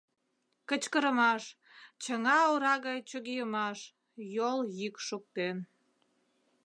Кычкырымаш, чаҥа ора гай чогийымаш, йол йӱк шоктен...